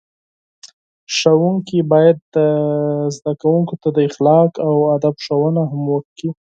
ښوونکي باید زده کوونکو ته د اخلاقو او ادب ښوونه هم وکړي.